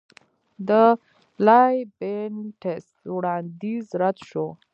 د لایبینټس وړاندیز رد شو.